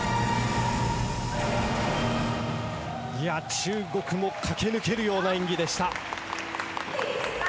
中国も駆け抜けるような演技でした。